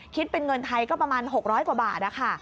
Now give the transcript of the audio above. คิดเป็นเงินไทยก็ประมาณ๖๐๐กว่าบาทนะคะ